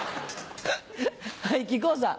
はい木久扇さん。